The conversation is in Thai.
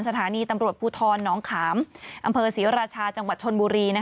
สถานีตำรวจภูทรน้องขามอำเภอศรีราชาจังหวัดชนบุรี